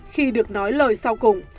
khi được nói lời sau cùng